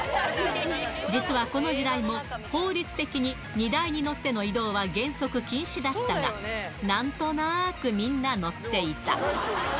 実はこの時代も、法律的に荷台に乗っての移動は原則禁止だったが、なんとなく、みんな乗っていた。